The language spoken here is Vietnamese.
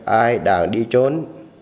ai đang đi trốn